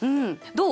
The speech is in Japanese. どう？